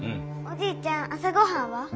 おじいちゃん朝ごはんは？